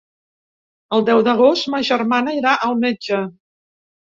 El deu d'agost ma germana irà al metge.